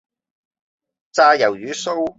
炸魷魚鬚